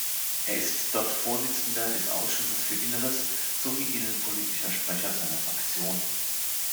Er ist dort Vorsitzender des Ausschusses für Inneres sowie innenpolitischer Sprecher seiner Fraktion.